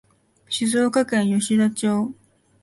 静岡県吉田町